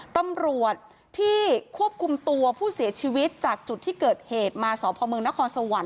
ตำรวจที่ควบคุมตัวผู้เสียชีวิตจากจุดที่เกิดเหตุมาสพมนครสวรรค